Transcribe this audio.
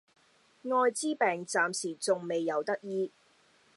愛滋病暫時仲未有得醫